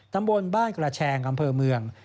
ตำบลบ้านกระแชงอำเภอเมือง